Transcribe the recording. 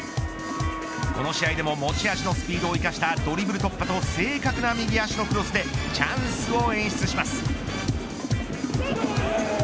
この試合でも持ち味のスピードを生かしたドリブル突破と正確な右足のクロスでチャンスを演出します。